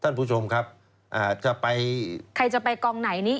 ท่านผู้ชมครับอ่าจะไปใครจะไปกองไหนนี้